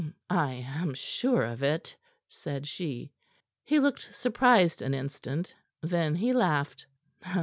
"I am sure of it," said she. He looked surprised an instant. Then he laughed.